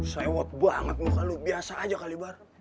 sewot banget muka lo biasa aja kali bar